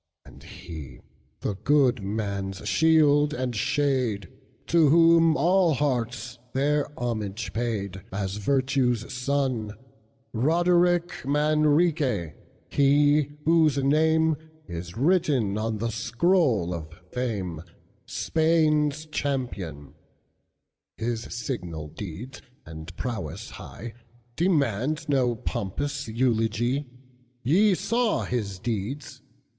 And he, the good man's shield and shade, To whom all hearts their homage paid, As Virtue's son, Roderic Manrique, he whose nameIs written on the scroll of Fame, Spain's champion; His signal deeds and prowess highDemand no pompous eulogy, Ye saw his deeds!